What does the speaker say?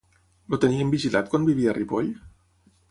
El tenien vigilat quan vivia a Ripoll?